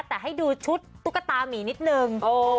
แต่ให้ดูชุดตุ๊กตามีนิดนึง